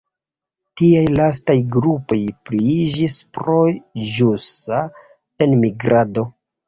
Tiaj lastaj grupoj pliiĝis pro ĵusa enmigrado.